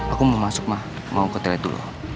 aku mau masuk ma mau ke toilet dulu